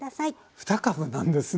２株なんですね。